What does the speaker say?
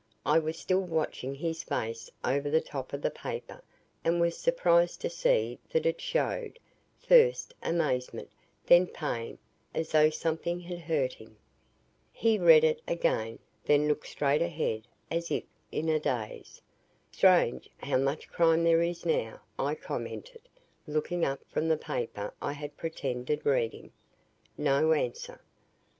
I was still watching his face over the top of the paper and was surprised to see that it showed, first, amazement, then pain, as though something had hurt him. He read it again then looked straight ahead, as if in a daze. "Strange, how much crime there is now," I commented, looking up from the paper I had pretended reading. No answer.